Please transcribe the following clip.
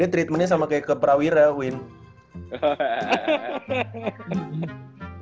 dia treatmentnya sama kayak ke prawira winn